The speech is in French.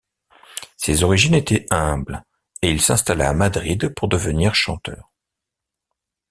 Ses origines étaient humbles et il s’installa à Madrid pour devenir chanteur.